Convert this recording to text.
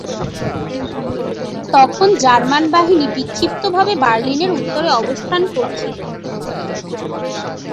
তখন জার্মান বাহিনী বিক্ষিপ্তভাবে বার্লিনের উত্তরে অবস্থান করছিল।